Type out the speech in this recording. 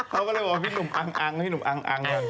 เขาก็เลยบอกพี่หนูอัง